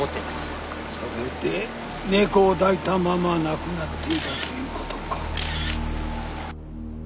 それで猫を抱いたまま亡くなっていたということか。